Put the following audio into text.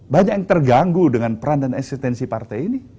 banyak yang terganggu dengan peran dan eksistensi partai ini